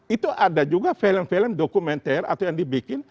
itu ada juga film film dokumenter atau yang dibikin